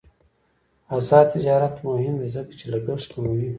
آزاد تجارت مهم دی ځکه چې لګښت کموي.